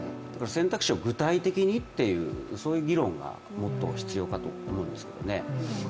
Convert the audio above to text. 選択肢を具体的にという議論がもっと必要かと思いますけどね。